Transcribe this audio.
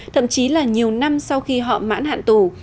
thậm chí là nhiều năm sau khi họ mãn hạn tù